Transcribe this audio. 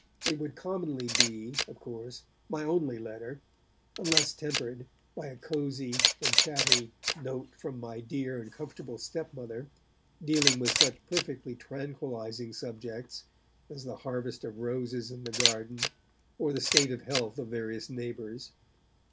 It would commonly be, of course, my only letter, unless tempered by a cosy and chatty note from my dear and comfortable stepmother, dealing with such perfectly tranquillizing subjects as the harvest of roses in the garden or the state of health of various neighbours.